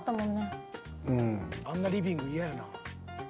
あんなリビング嫌やな。